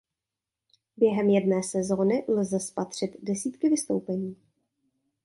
Během jedné sezóny lze spatřit desítky vystoupení.